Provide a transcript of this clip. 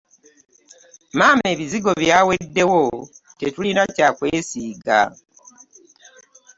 Maama ebizigo byawedewo tetulina kya kwesiiga.